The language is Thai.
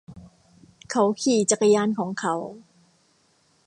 เขาขี่จักรยานของเขา